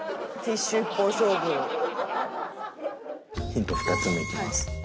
ヒント２つ目いきます。